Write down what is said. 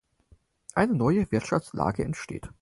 Eine neue Wirtschaftslage entsteht.